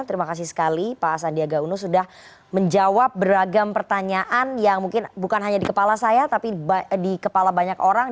terima kasih sekali pak sandiaga uno sudah menjawab beragam pertanyaan yang mungkin bukan hanya di kepala saya tapi di kepala banyak orang